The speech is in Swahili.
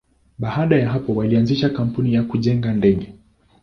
Baada ya hapo, walianzisha kampuni ya kujenga ndege.